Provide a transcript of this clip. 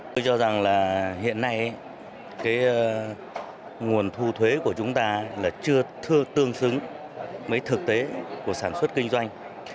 tôi cho rằng là hiện nay cái nguồn thu thuế của chúng ta là chưa tương xứng với thực tế của sản xuất kinh doanh